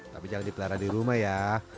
tapi jangan dipelara di rumah ya